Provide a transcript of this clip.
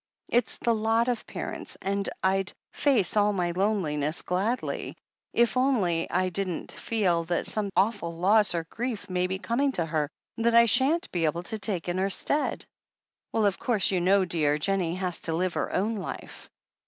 It's the lot of parents, and I'd face all my loneli ness gladly — if only I didn't feel that some awful loss or grief may be coming to her that I shan't be able to take in her stead." "Well, of course you know, dear, Jennie has to live her own life."